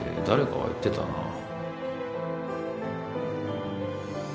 誰かが言ってたな。